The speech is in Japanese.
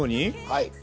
はい。